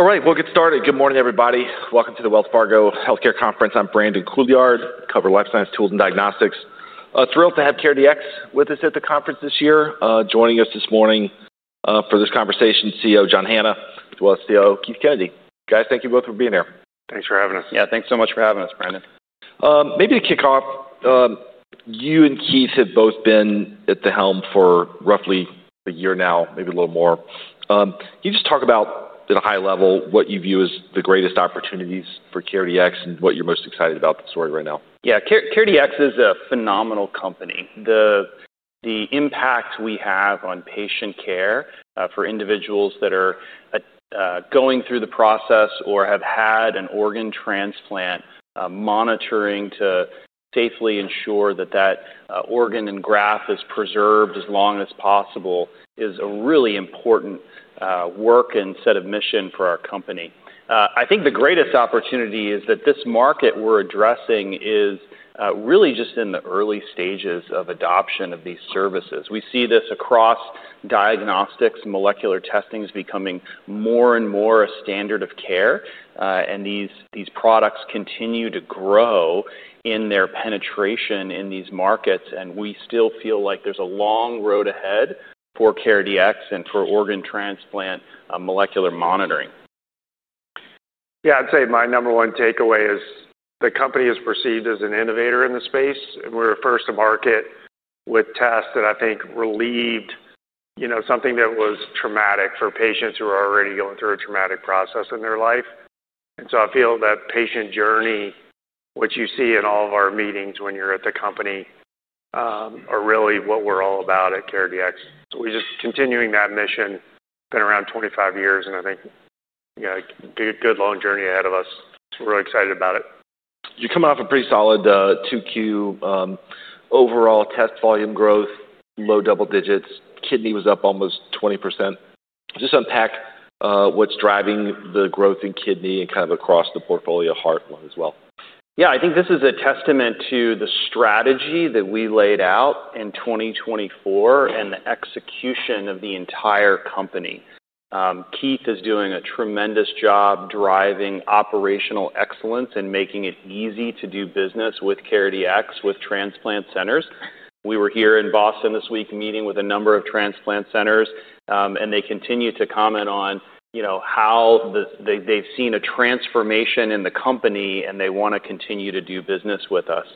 All right, we'll get started. Good morning, everybody. Welcome to the Wells Fargo Health Care Conference. I'm Brandon Couillard, Covered Life Science Tools and Diagnostics. Thrilled to have CareDx with us at the conference this year. Joining us this morning for this conversation, CEO John Hanna as well as CFO Keith Kennedy. Guys, thank you both for being here. Thanks for having us. Yeah, thanks so much for having us, Brandon. Maybe to kick off, you and Keith have both been at the helm for roughly a year now, maybe a little more. Can you just talk about at a high level what you view as the greatest opportunities for CareDx and what you're most excited about the story right now? Yeah, CareDx is a phenomenal company. The impact we have on patient care for individuals that are going through the process or have had an organ transplant, monitoring to safely ensure that that organ and graft is preserved as long as possible is a really important work and set of mission for our company. I think the greatest opportunity is that this market we're addressing is really just in the early stages of adoption of these services. We see this across diagnostics. Molecular testing is becoming more and more a standard of care. These products continue to grow in their penetration in these markets. We still feel like there's a long road ahead for CareDx and for organ transplant molecular monitoring. Yeah, I'd say my number one takeaway is the company is perceived as an innovator in the space. We were first to market with tests that I think relieved something that was traumatic for patients who are already going through a traumatic process in their life. I feel that patient journey, what you see in all of our meetings when you're at the company, are really what we're all about at CareDx. We're just continuing that mission. It's been around 25 years, and I think, yeah, good long journey ahead of us. We're really excited about it. You're coming off a pretty solid 2Q overall test volume growth, low double digits. Kidney was up almost 20%. Just unpack what's driving the growth in Kidney and kind of across the portfolio Heart one as well. Yeah, I think this is a testament to the strategy that we laid out in 2024 and the execution of the entire company. Keith is doing a tremendous job driving operational excellence and making it easy to do business with CareDx, with transplant centers. We were here in Boston this week meeting with a number of transplant centers, and they continue to comment on how they've seen a transformation in the company and they want to continue to do business with us.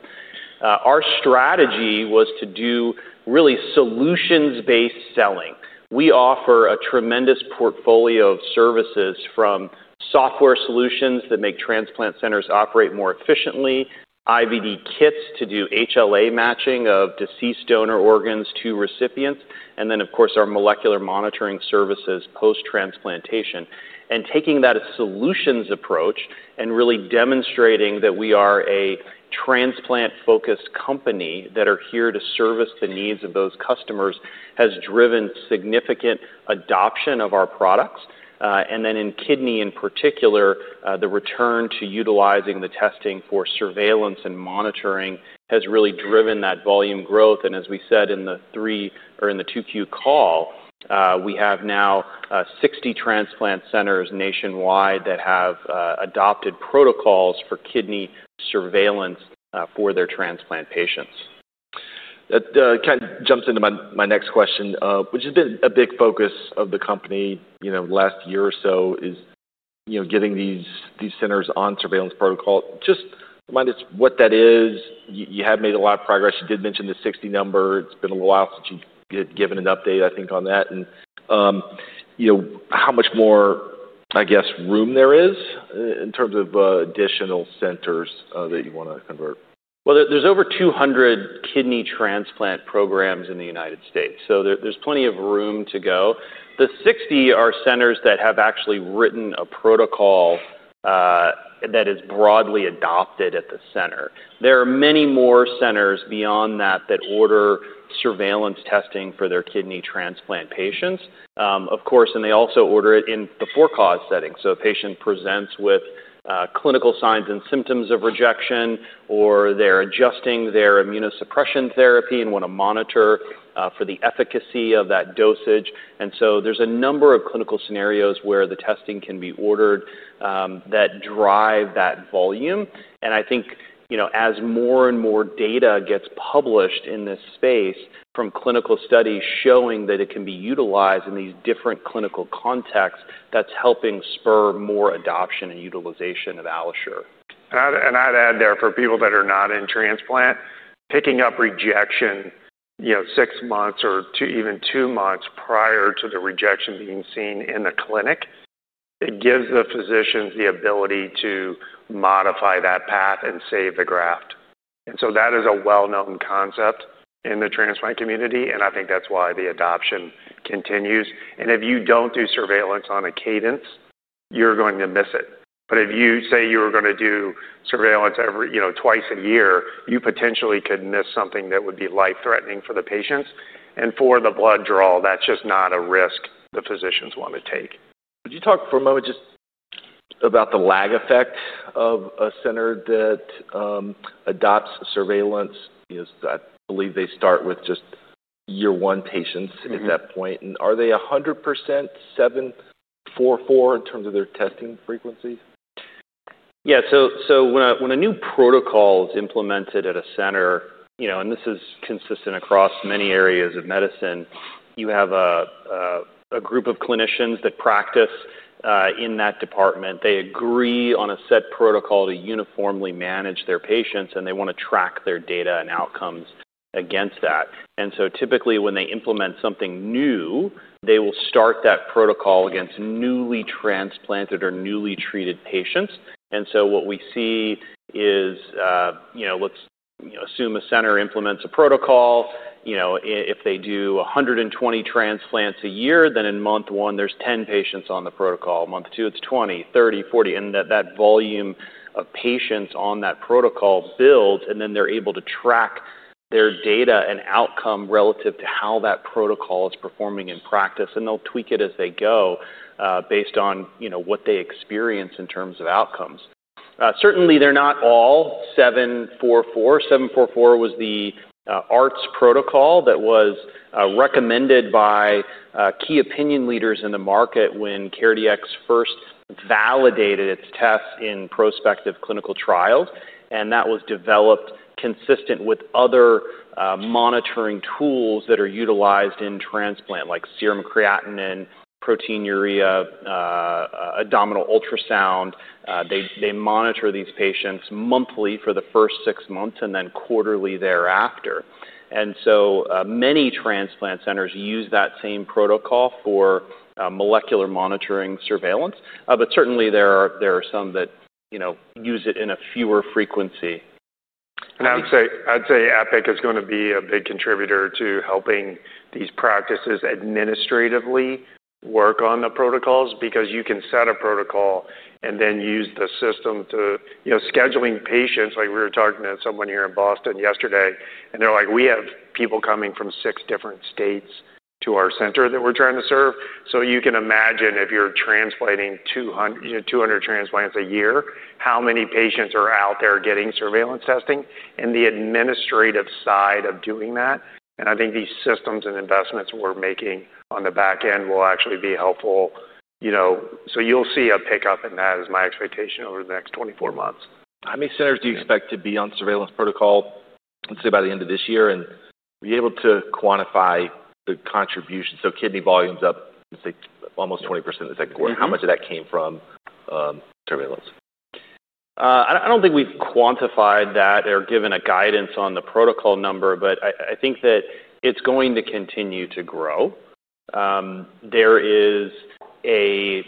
Our strategy was to do really solutions-based selling. We offer a tremendous portfolio of services from software solutions that make transplant centers operate more efficiently, IVD kits to do HLA matching of deceased donor organs to recipients, and then, of course, our molecular monitoring services post-transplantation. Taking that solutions approach and really demonstrating that we are a transplant-focused company that is here to service the needs of those customers has driven significant adoption of our products. In kidney in particular, the return to utilizing the testing for surveillance and monitoring has really driven that volume growth. As we said in the 2Q call, we have now 60 transplant centers nationwide that have adopted protocols for kidney surveillance for their transplant patients. That kind of jumps into my next question, which has been a big focus of the company the last year or so, getting these centers on surveillance protocol. Just remind us what that is. You have made a lot of progress. You did mention the 60 number. It's been a little while since you had given an update, I think, on that. How much more room there is in terms of additional centers that you want to convert? There are over 200 kidney transplant programs in the United States. There's plenty of room to go. The 60 are centers that have actually written a protocol that is broadly adopted at the center. There are many more centers beyond that that order surveillance testing for their kidney transplant patients, of course, and they also order it in the forecast setting. A patient presents with clinical signs and symptoms of rejection or they're adjusting their immunosuppression therapy and want to monitor for the efficacy of that dosage. There are a number of clinical scenarios where the testing can be ordered that drive that volume. I think, as more and more data gets published in this space from clinical studies showing that it can be utilized in these different clinical contexts, that's helping spur more adoption and utilization of AlloSure. I'd add there for people that are not in transplant, picking up rejection, you know, six months or even two months prior to the rejection being seen in the clinic, it gives the physicians the ability to modify that path and save the graft. That is a well-known concept in the transplant community. I think that's why the adoption continues. If you don't do surveillance on a cadence, you're going to miss it. If you say you're going to do surveillance every, you know, twice a year, you potentially could miss something that would be life-threatening for the patients. For the blood draw, that's just not a risk the physicians want to take. Could you talk for a moment just about the lag effect of a center that adopts surveillance? I believe they start with just year one patients at that point. Are they 100% 744 in terms of their testing frequency? Yeah, so when a new protocol is implemented at a center, and this is consistent across many areas of medicine, you have a group of clinicians that practice in that department. They agree on a set protocol to uniformly manage their patients, and they want to track their data and outcomes against that. Typically, when they implement something new, they will start that protocol against newly transplanted or newly treated patients. What we see is, let's assume a center implements a protocol, if they do 120 transplants a year, then in month one, there's 10 patients on the protocol. Month two, it's 20, 30, 40. That volume of patients on that protocol builds, and then they're able to track their data and outcome relative to how that protocol is performing in practice. They'll tweak it as they go based on what they experience in terms of outcomes. Certainly, they're not all 744. 744 was the ARTS protocol that was recommended by key opinion leaders in the market when CareDx first validated its tests in prospective clinical trials. That was developed consistent with other monitoring tools that are utilized in transplant, like serum creatinine, protein urea, abdominal ultrasound. They monitor these patients monthly for the first six months and then quarterly thereafter. Many transplant centers use that same protocol for molecular monitoring surveillance. Certainly, there are some that use it in a fewer frequency. I’d say Epic is going to be a big contributor to helping these practices administratively work on the protocols because you can set a protocol and then use the system to, you know, schedule patients. Like we were talking to someone here in Boston yesterday, and they're like, we have people coming from six different states to our center that we're trying to serve. You can imagine if you're transplanting 200 transplants a year, how many patients are out there getting surveillance testing and the administrative side of doing that. I think these systems and investments we're making on the back end will actually be helpful. You’ll see a pickup in that is my expectation over the next 24 months. How many centers do you expect to be on surveillance protocol, let's say, by the end of this year and be able to quantify the contribution? Kidney volume's up, it's like almost 20%. It's like how much of that came from surveillance? I don't think we've quantified that or given a guidance on the protocol number, but I think that it's going to continue to grow. There is a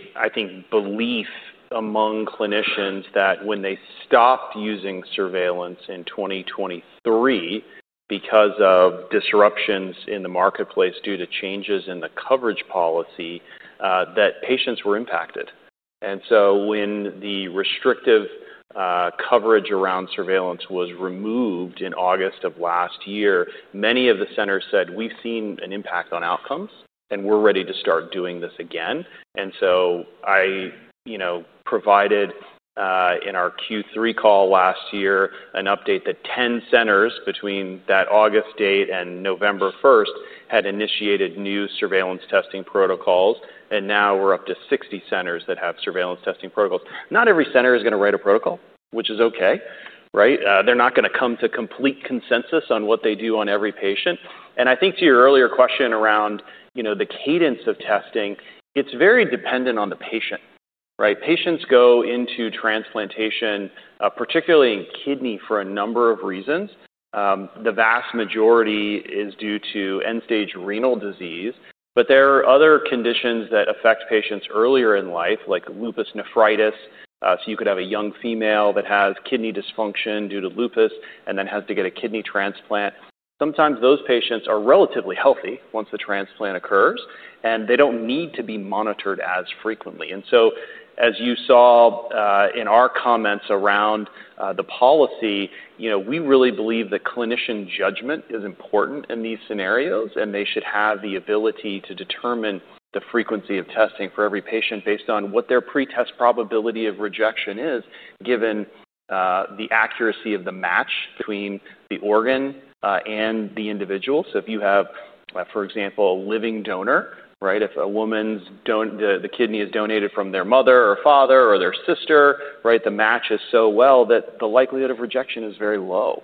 belief among clinicians that when they stopped using surveillance in 2023 because of disruptions in the marketplace due to changes in the coverage policy, patients were impacted. When the restrictive coverage around surveillance was removed in August of last year, many of the centers said, we've seen an impact on outcomes and we're ready to start doing this again. I provided in our Q3 call last year an update that 10 centers between that August date and November 1, 2023 had initiated new surveillance testing protocols. Now we're up to 60 centers that have surveillance testing protocols. Not every center is going to write a protocol, which is OK, right? They're not going to come to complete consensus on what they do on every patient. I think to your earlier question around the cadence of testing, it's very dependent on the patient, right? Patients go into transplantation, particularly in kidney, for a number of reasons. The vast majority is due to end-stage renal disease. There are other conditions that affect patients earlier in life, like lupus nephritis. You could have a young female that has kidney dysfunction due to lupus and then has to get a kidney transplant. Sometimes those patients are relatively healthy once the transplant occurs, and they don't need to be monitored as frequently. As you saw in our comments around the policy, we really believe that clinician judgment is important in these scenarios, and they should have the ability to determine the frequency of testing for every patient based on what their pre-test probability of rejection is, given the accuracy of the match between the organ and the individual. If you have, for example, a living donor, right? If a woman's kidney is donated from their mother or father or their sister, right? The match is so well that the likelihood of rejection is very low,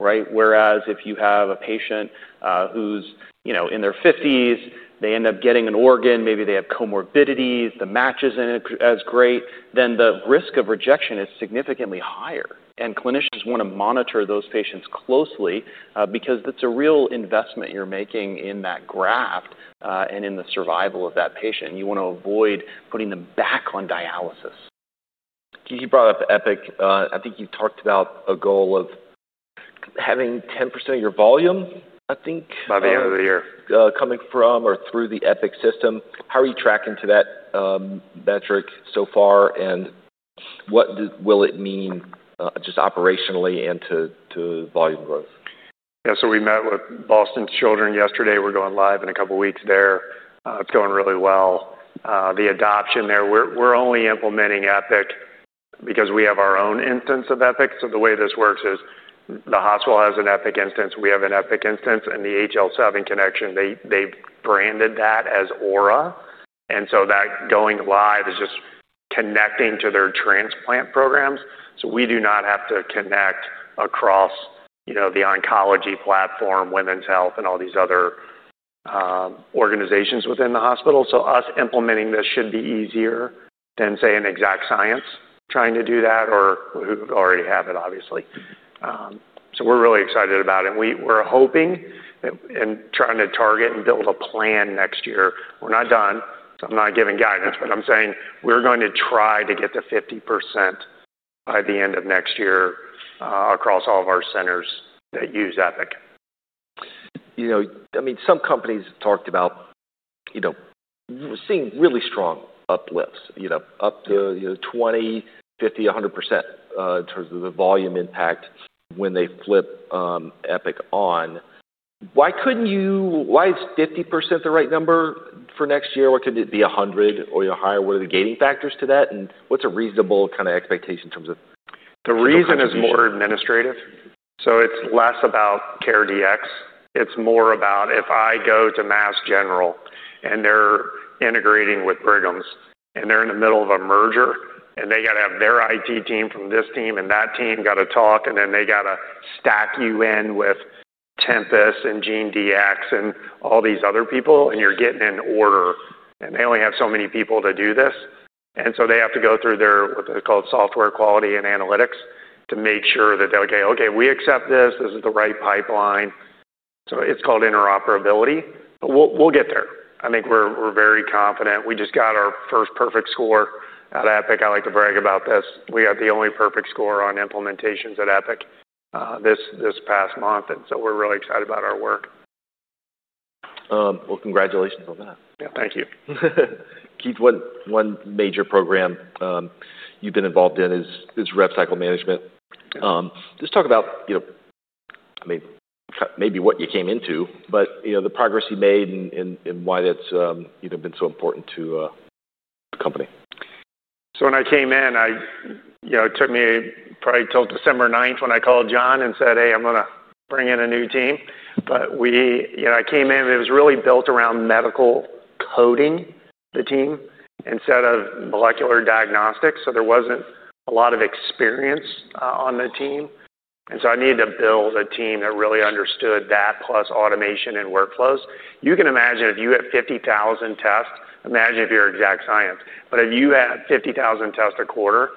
right? Whereas if you have a patient who's in their 50s, they end up getting an organ, maybe they have comorbidities, the match isn't as great, then the risk of rejection is significantly higher. Clinicians want to monitor those patients closely because that's a real investment you're making in that graft and in the survival of that patient. You want to avoid putting them back on dialysis. Keith, you brought up Epic. I think you talked about a goal of having 10% of your volume, I think. By the end of the year. Coming from or through the Epic system, how are you tracking to that metric so far? What will it mean just operationally and to volume growth? Yeah, we met with Boston Children yesterday. We're going live in a couple of weeks there. It's going really well. The adoption there, we're only implementing Epic because we have our own instance of Epic. The way this works is the hospital has an Epic instance, we have an Epic instance, and the HL7 connection. They've branded that as Aura. That going live is just connecting to their transplant programs. We do not have to connect across the oncology platform, women's health, and all these other organizations within the hospital. Us implementing this should be easier than, say, an Exact Sciences trying to do that or who already have it, obviously. We're really excited about it. We're hoping and trying to target and build a plan next year. We're not done. I'm not giving guidance, but I'm saying we're going to try to get to 50% by the end of next year across all of our centers that use Epic. Some companies talked about seeing really strong uplifts, up to 20%, 50%, 100% in terms of the volume impact when they flip Epic on. Why couldn't you, why is 50% the right number for next year? Could it be 100% or higher? What are the gating factors to that? What's a reasonable kind of expectation in terms of? The reason is more administrative. It's less about CareDx. It's more about if I go to Mass General and they're integrating with Brigham's and they're in the middle of a merger and they got to have their IT team from this team and that team got to talk, and then they got to stack you in with Tempus and GeneDx and all these other people and you're getting an order and they only have so many people to do this. They have to go through their, what they call software quality and analytics to make sure that they're like, OK, we accept this. This is the right pipeline. It's called interoperability. We'll get there. I think we're very confident. We just got our first perfect score out of Epic. I like to brag about this. We got the only perfect score on implementations at Epic this past month. We're really excited about our work. Congratulations on that. Thank you. Keith, one major program you've been involved in is rev cycle management. Just talk about what you came into, the progress you made, and why that's been so important to the company. When I came in, it took me probably till December 9th when I called John and said, hey, I'm going to bring in a new team. We, you know, I came in, it was really built around medical coding, the team, instead of molecular diagnostics. There wasn't a lot of experience on the team. I needed to build a team that really understood that plus automation and workflows. You can imagine if you have 50,000 tests, imagine if you're Exact Science. If you have 50,000 tests a quarter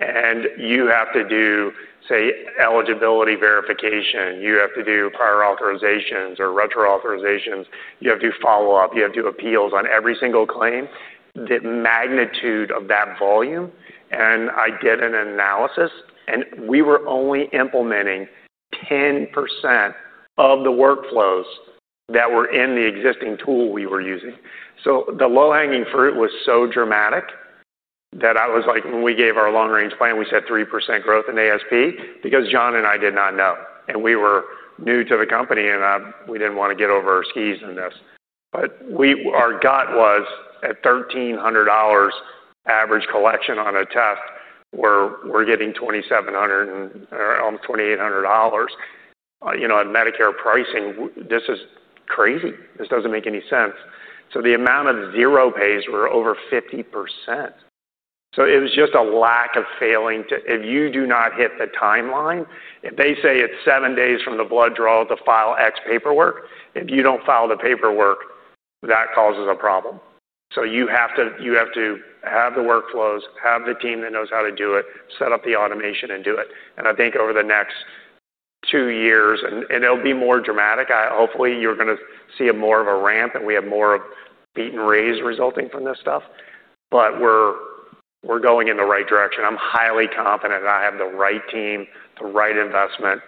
and you have to do, say, eligibility verification, you have to do prior authorizations or retro authorizations, you have to do follow-up, you have to do appeals on every single claim, the magnitude of that volume. I did an analysis and we were only implementing 10% of the workflows that were in the existing tool we were using. The low-hanging fruit was so dramatic that I was like, when we gave our long-range plan, we said 3% growth in ASP because John and I did not know. We were new to the company and we didn't want to get over our skis in this. Our gut was at $1,300 average collection on a test, we're getting $2,700, almost $2,800. At Medicare pricing, this is crazy. This doesn't make any sense. The amount of zero pays were over 50%. It was just a lack of failing to, if you do not hit the timeline, if they say it's seven days from the blood draw to file X paperwork, if you don't file the paperwork, that causes a problem. You have to have the workflows, have the team that knows how to do it, set up the automation and do it. I think over the next two years, and it'll be more dramatic, hopefully you're going to see more of a ramp and we have more of beaten rays resulting from this stuff. We're going in the right direction. I'm highly confident I have the right team, the right investment,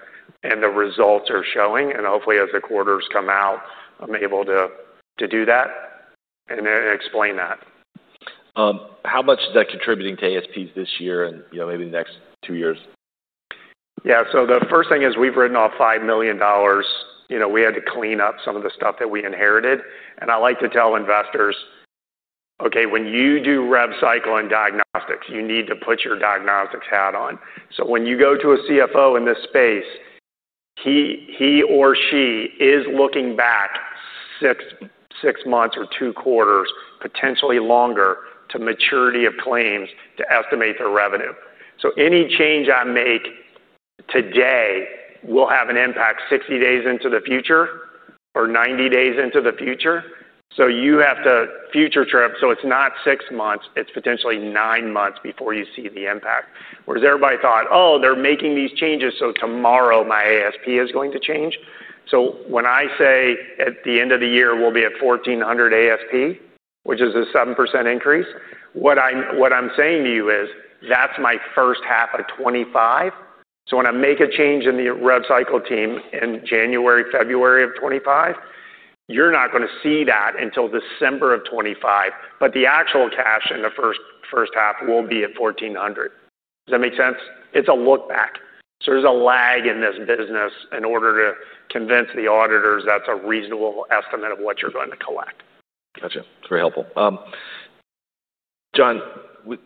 and the results are showing. Hopefully as the quarters come out, I'm able to do that and explain that. How much is that contributing to ASPs this year and maybe the next two years? Yeah, so the first thing is we've written off $5 million. You know, we had to clean up some of the stuff that we inherited. I like to tell investors, OK, when you do rev cycle and diagnostics, you need to put your diagnostics hat on. When you go to a CFO in this space, he or she is looking back six months or two quarters, potentially longer, to maturity of claims to estimate their revenue. Any change I make today will have an impact 60 days into the future or 90 days into the future. You have to future trip. It's not six months, it's potentially nine months before you see the impact. Everybody thought, oh, they're making these changes, so tomorrow my ASP is going to change. When I say at the end of the year, we'll be at $1,400 ASP, which is a 7% increase, what I'm saying to you is that's my first half of 2025. When I make a change in the rev cycle team in January, February of 2025, you're not going to see that until December of 2025. The actual cash in the first half will be at $1,400. Does that make sense? It's a look back. There's a lag in this business in order to convince the auditors that's a reasonable estimate of what you're going to collect. Gotcha. It's very helpful. John, it'd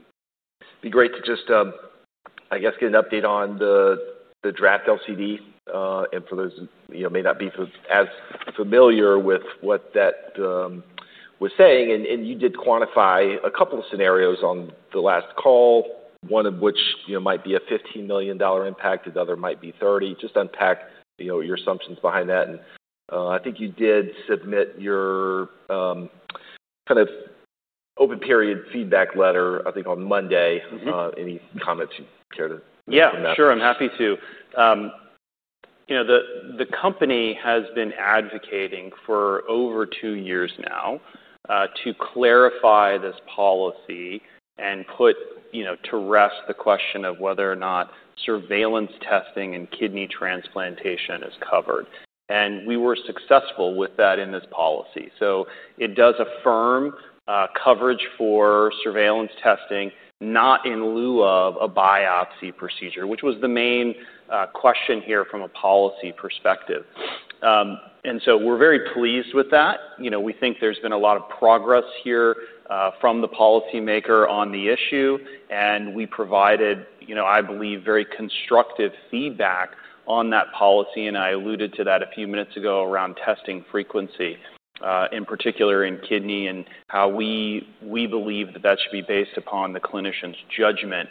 be great to just, I guess, get an update on the draft LCD. For those who may not be as familiar with what that was saying, and you did quantify a couple of scenarios on the last call, one of which might be a $15 million impact, another might be $30 million. Just unpack your assumptions behind that. I think you did submit your kind of open period feedback letter, I think, on Monday. Any comments you care to hear from that? Yeah, sure, I'm happy to. The company has been advocating for over two years now to clarify this policy and put to rest the question of whether or not surveillance testing in kidney transplantation is covered. We were successful with that in this policy. It does affirm coverage for surveillance testing, not in lieu of a biopsy procedure, which was the main question here from a policy perspective. We're very pleased with that. We think there's been a lot of progress here from the policymaker on the issue. We provided, I believe, very constructive feedback on that policy. I alluded to that a few minutes ago around testing frequency, in particular in kidney, and how we believe that should be based upon the clinician's judgment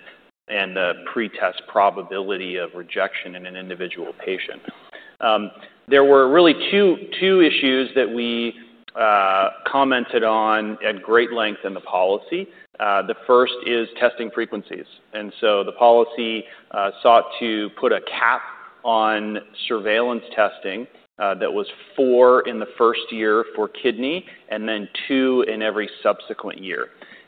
and the pre-test probability of rejection in an individual patient. There were really two issues that we commented on at great length in the policy. The first is testing frequencies. The policy sought to put a cap on surveillance testing that was four in the first year for kidney and then two in every subsequent year.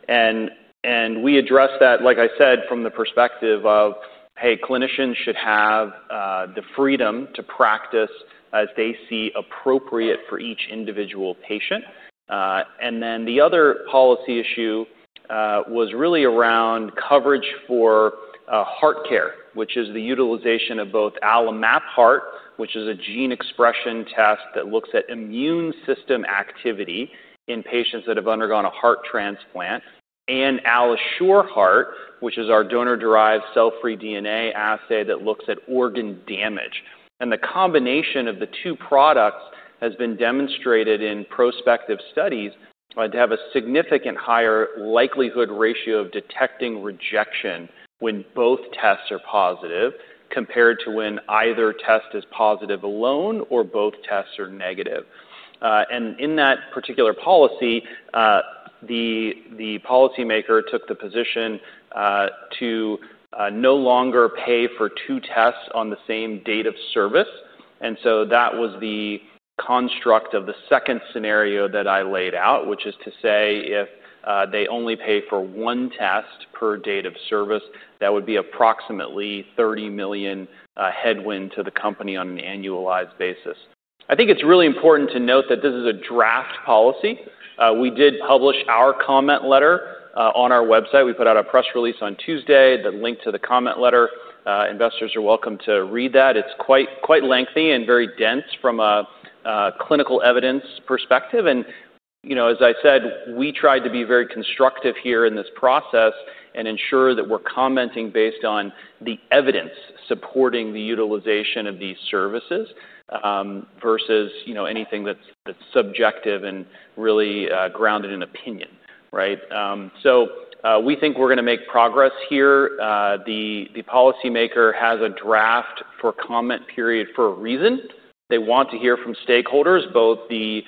We addressed that, like I said, from the perspective of, hey, clinicians should have the freedom to practice as they see appropriate for each individual patient. The other policy issue was really around coverage for HeartCare, which is the utilization of both AlloMap Heart, which is a gene expression test that looks at immune system activity in patients that have undergone a heart transplant, and AlloSure Heart, which is our donor-derived cell-free DNA assay that looks at organ damage. The combination of the two products has been demonstrated in prospective studies to have a significantly higher likelihood ratio of detecting rejection when both tests are positive compared to when either test is positive alone or both tests are negative. In that particular policy, the policymaker took the position to no longer pay for two tests on the same date of service. That was the construct of the second scenario that I laid out, which is to say if they only pay for one test per date of service, that would be approximately $30 million headwind to the company on an annualized basis. I think it's really important to note that this is a draft policy. We did publish our comment letter on our website. We put out a press release on Tuesday. The link to the comment letter, investors are welcome to read that. It's quite lengthy and very dense from a clinical evidence perspective. As I said, we tried to be very constructive here in this process and ensure that we're commenting based on the evidence supporting the utilization of these services versus anything that's subjective and really grounded in opinion, right? We think we're going to make progress here. The policymaker has a draft for comment period for a reason. They want to hear from stakeholders, both the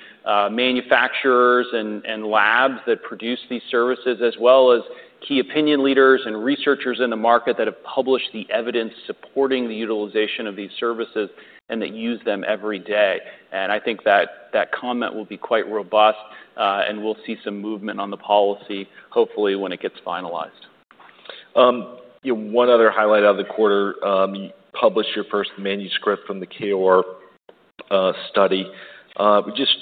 manufacturers and labs that produce these services, as well as key opinion leaders and researchers in the market that have published the evidence supporting the utilization of these services and that use them every day. I think that comment will be quite robust and we'll see some movement on the policy, hopefully when it gets finalized. One other highlight out of the quarter, you published your first manuscript from the KOR study. Just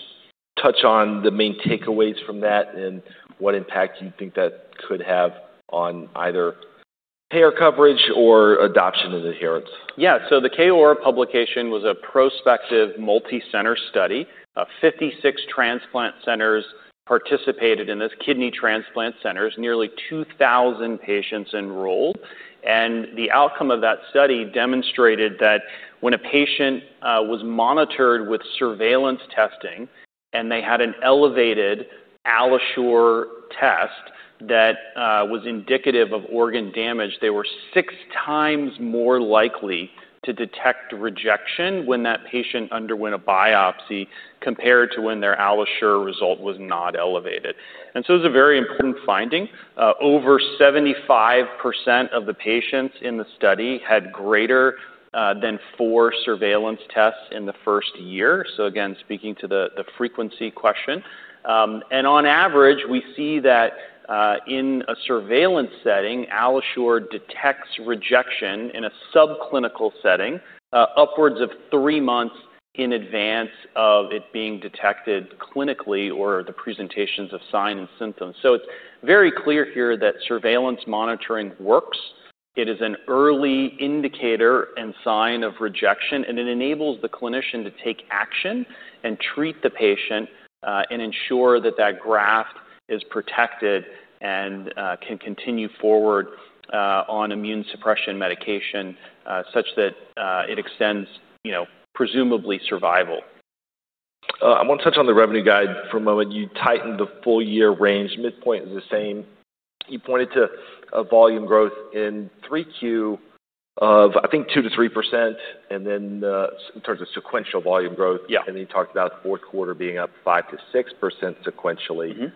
touch on the main takeaways from that and what impact you think that could have on either payer coverage or adoption and adherence. Yeah, so the KOR study publication was a prospective multi-center study. 56 transplant centers participated in this, kidney transplant centers, nearly 2,000 patients enrolled. The outcome of that study demonstrated that when a patient was monitored with surveillance testing and they had an elevated AlloSure test that was indicative of organ damage, they were six times more likely to detect rejection when that patient underwent a biopsy compared to when their AlloSure result was not elevated. It was a very important finding. Over 75% of the patients in the study had greater than four surveillance tests in the first year, speaking to the frequency question. On average, we see that in a surveillance setting, AlloSure detects rejection in a subclinical setting upwards of three months in advance of it being detected clinically or the presentations of sign and symptoms. It is very clear here that surveillance monitoring works. It is an early indicator and sign of rejection, and it enables the clinician to take action and treat the patient and ensure that that graft is protected and can continue forward on immune suppression medication such that it extends, you know, presumably survival. I want to touch on the revenue guide for a moment. You tightened the full year range. Midpoint is the same. You pointed to a volume growth in 3Q of, I think, 2%- 3%, and then in terms of sequential volume growth. Yeah. You talked about the fourth quarter being up 5- 6% sequentially.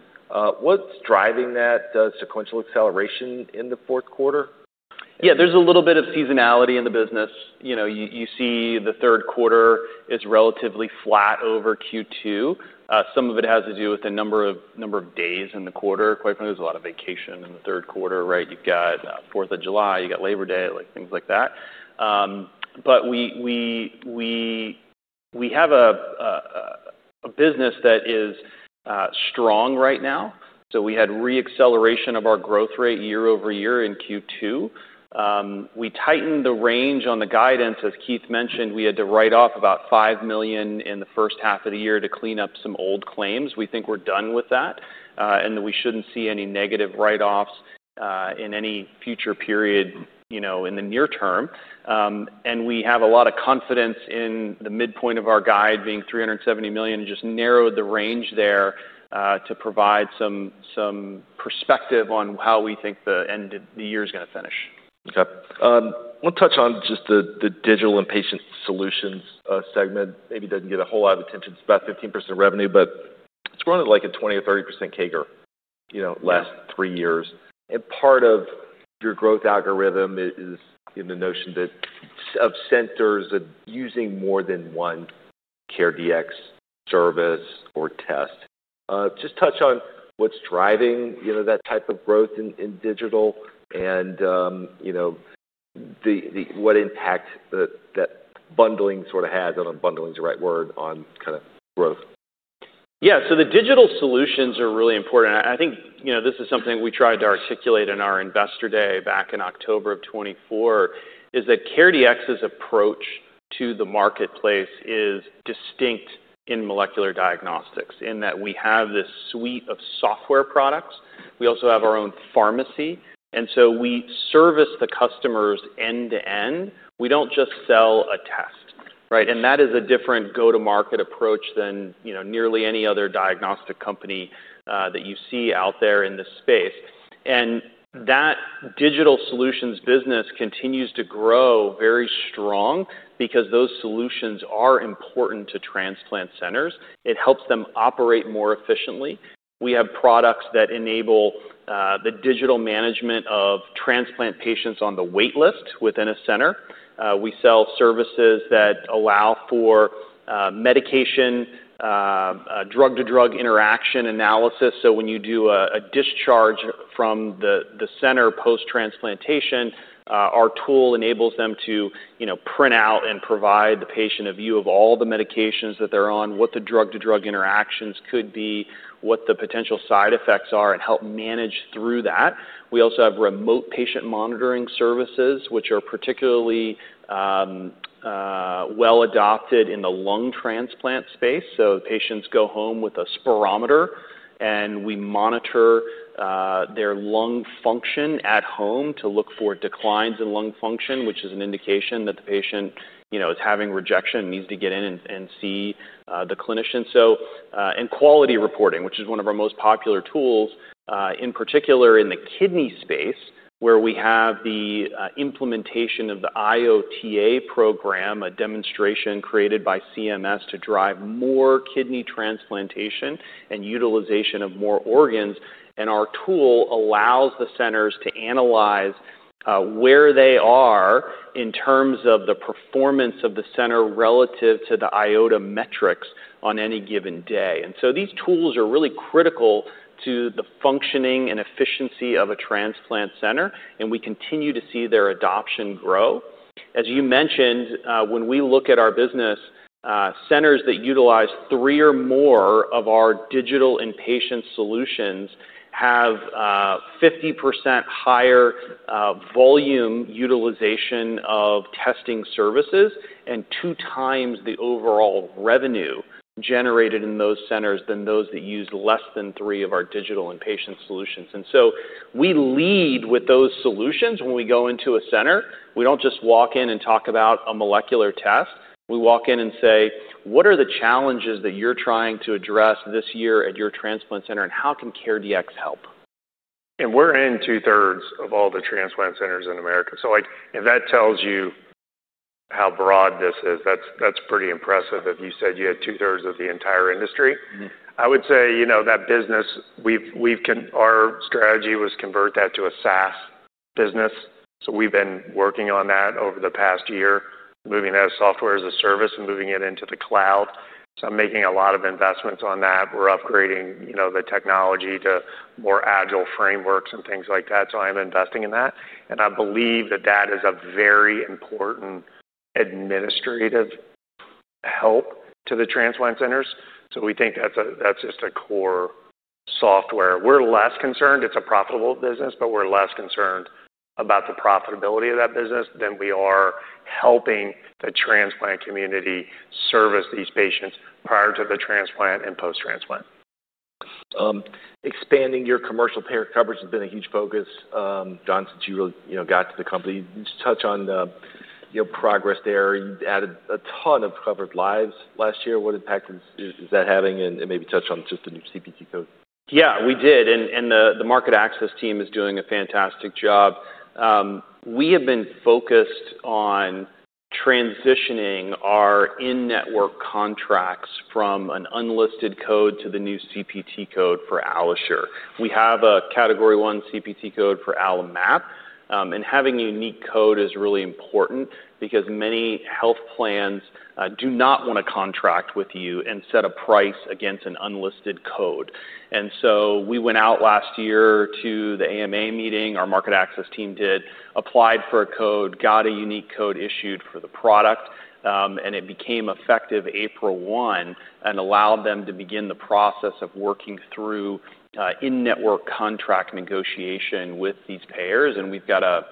What's driving that sequential acceleration in the fourth quarter? Yeah, there's a little bit of seasonality in the business. You know, you see the third quarter is relatively flat over Q2. Some of it has to do with the number of days in the quarter. Quite frankly, there's a lot of vacation in the third quarter, right? You've got 4th of July, you've got Labor Day, things like that. We have a business that is strong right now. We had re-acceleration of our growth rate year over year in Q2. We tightened the range on the guidance. As Keith mentioned, we had to write off about $5 million in the first half of the year to clean up some old claims. We think we're done with that and that we shouldn't see any negative write-offs in any future period in the near term. We have a lot of confidence in the midpoint of our guide being $370 million and just narrowed the range there to provide some perspective on how we think the end of the year is going to finish. Okay. I want to touch on just the digital and patient solutions segment. Maybe it doesn't get a whole lot of attention. It's about 15% revenue, but it's grown at like a 20% or 30% CAGR, you know, last three years. Part of your growth algorithm is in the notion that of centers using more than one CareDx service or test. Just touch on what's driving, you know, that type of growth in digital and, you know, what impact that bundling sort of has, I don't know if bundling is the right word, on kind of growth. Yeah, so the digital solutions are really important. I think this is something we tried to articulate in our investor day back in October of 2024, is that CareDx's approach to the marketplace is distinct in molecular diagnostics in that we have this suite of software products. We also have our own pharmacy, and we service the customers end to end. We don't just sell a test, right? That is a different go-to-market approach than nearly any other diagnostic company that you see out there in this space. That digital solutions business continues to grow very strong because those solutions are important to transplant centers. It helps them operate more efficiently. We have products that enable the digital management of transplant patients on the waitlist within a center. We sell services that allow for medication, drug-to-drug interaction analysis. When you do a discharge from the center post-transplantation, our tool enables them to print out and provide the patient a view of all the medications that they're on, what the drug-to-drug interactions could be, what the potential side effects are, and help manage through that. We also have remote patient monitoring services, which are particularly well adopted in the lung transplant space. Patients go home with a spirometer and we monitor their lung function at home to look for declines in lung function, which is an indication that the patient is having rejection and needs to get in and see the clinician. Quality reporting is one of our most popular tools, in particular in the kidney space, where we have the implementation of the IOTA program, a demonstration created by CMS to drive more kidney transplantation and utilization of more organs. Our tool allows the centers to analyze where they are in terms of the performance of the center relative to the IOTA metrics on any given day. These tools are really critical to the functioning and efficiency of a transplant center, and we continue to see their adoption grow. As you mentioned, when we look at our business, centers that utilize three or more of our digital inpatient solutions have 50% higher volume utilization of testing services and two times the overall revenue generated in those centers than those that use less than three of our digital inpatient solutions. We lead with those solutions when we go into a center. We don't just walk in and talk about a molecular test. We walk in and say, what are the challenges that you're trying to address this year at your transplant center and how can CareDx help? We're in two-thirds of all the transplant centers in the U.S. If that tells you how broad this is, that's pretty impressive. You said you had two-thirds of the entire industry. I would say that business, our strategy was to convert that to a SaaS business. We've been working on that over the past year, moving that as software as a service and moving it into the cloud. I'm making a lot of investments on that. We're upgrading the technology to more agile frameworks and things like that. I'm investing in that. I believe that is a very important administrative help to the transplant centers. We think that's just a core software. We're less concerned. It's a profitable business, but we're less concerned about the profitability of that business than we are helping the transplant community service these patients prior to the transplant and post-transplant. Expanding your commercial payer coverage has been a huge focus, John, since you really got to the company. Just touch on the progress there. You added a ton of covered lives last year. What impact is that having? Maybe touch on just the new CPT code. Yeah, we did. The market access team is doing a fantastic job. We have been focused on transitioning our in-network contracts from an unlisted code to the new CPT code for AlloSure. We have a category one CPT code for AlloMap. Having a unique code is really important because many health plans do not want to contract with you and set a price against an unlisted code. We went out last year to the AMA meeting. Our market access team did apply for a code, got a unique code issued for the product. It became effective April 1 and allowed them to begin the process of working through in-network contract negotiation with these payers. We've got a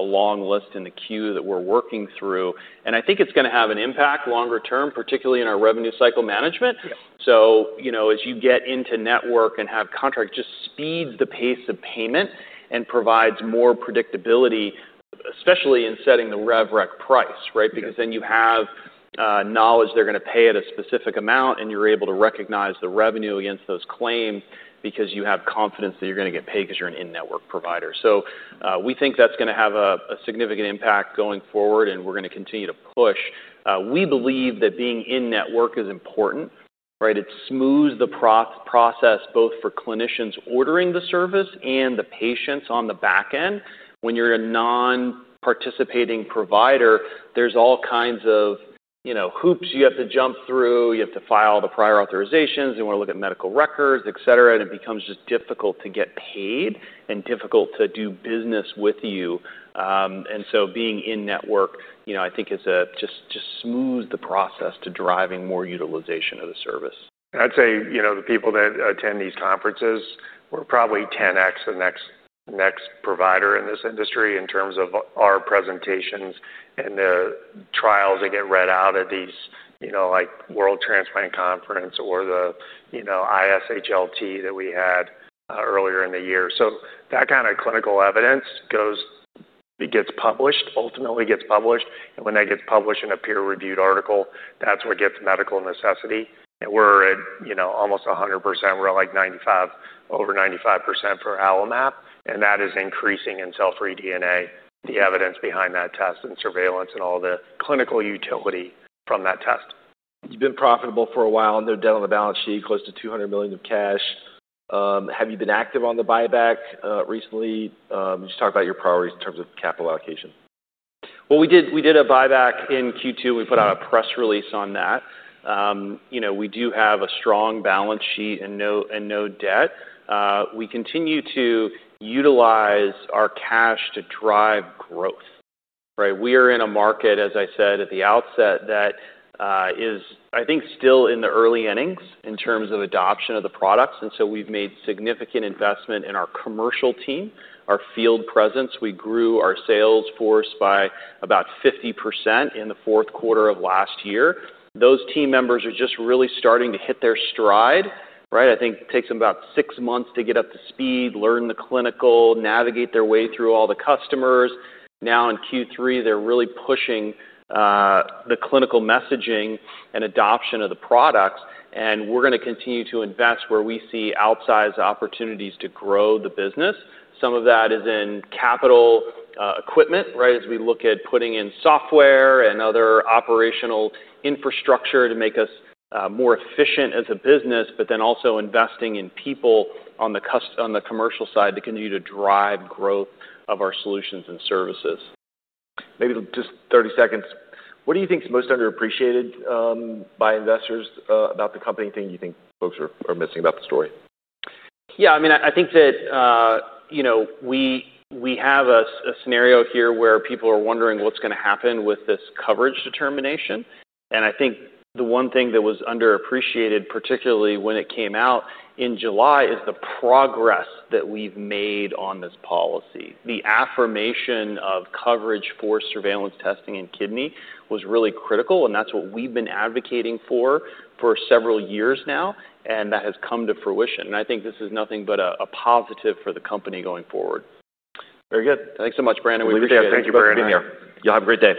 long list in the queue that we're working through. I think it's going to have an impact longer term, particularly in our revenue cycle management. As you get into network and have contracts, it speeds the pace of payment and provides more predictability, especially in setting the rev rec price, right? Because then you have knowledge they're going to pay at a specific amount and you're able to recognize the revenue against those claims because you have confidence that you're going to get paid because you're an in-network provider. We think that's going to have a significant impact going forward and we're going to continue to push. We believe that being in-network is important, right? It smooths the process both for clinicians ordering the service and the patients on the back end. When you're a non-participating provider, there's all kinds of hoops you have to jump through. You have to file the prior authorizations. They want to look at medical records, et cetera. It becomes just difficult to get paid and difficult to do business with you. Being in-network, I think, just smooths the process to driving more utilization of the service. I'd say, you know, the people that attend these conferences, we're probably 10X the next provider in this industry in terms of our presentations and the trials that get read out at these, you know, like World Transplant Conference or the, you know, ISHLT that we had earlier in the year. That kind of clinical evidence goes, it gets published, ultimately gets published. When that gets published in a peer-reviewed article, that's what gets medical necessity. We're at, you know, almost 100%. We're at like 95%, over 95% for Alimap. That is increasing in cell-free DNA, the evidence behind that test and surveillance and all the clinical utility from that test. You've been profitable for a while. No debt on the balance sheet, close to $200 million of cash. Have you been active on the buyback recently? Just talk about your priorities in terms of capital allocation. We did a buyback in Q2. We put out a press release on that. You know, we do have a strong balance sheet and no debt. We continue to utilize our cash to drive growth, right? We are in a market, as I said at the outset, that is, I think, still in the early innings in terms of adoption of the products. We have made significant investment in our commercial team, our field presence. We grew our sales force by about 50% in the fourth quarter of last year. Those team members are just really starting to hit their stride, right? I think it takes them about six months to get up to speed, learn the clinical, navigate their way through all the customers. Now in Q3, they're really pushing the clinical messaging and adoption of the products. We are going to continue to invest where we see outsized opportunities to grow the business. Some of that is in capital equipment, right? As we look at putting in software and other operational infrastructure to make us more efficient as a business, but also investing in people on the commercial side to continue to drive growth of our solutions and services. Maybe just 30 seconds. What do you think is most underappreciated by investors about the company? Anything you think folks are missing about the story? I think that, you know, we have a scenario here where people are wondering what's going to happen with this coverage determination. I think the one thing that was underappreciated, particularly when it came out in July, is the progress that we've made on this policy. The affirmation of coverage for surveillance testing in kidney was really critical. That's what we've been advocating for for several years now, and that has come to fruition. I think this is nothing but a positive for the company going forward. Very good. Thanks so much, Brandon. We appreciate it. Thank you, Brandon. You all have a great day.